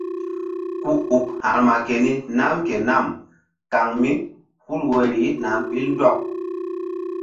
Ku uk ha̧rma keni nam ke nam kan mí hul woyri na ɓil ndɔk.